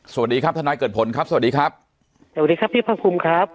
สวัสดีครับทนายเกิดผลครับสวัสดีครับสวัสดีครับพี่พระภูมิครับ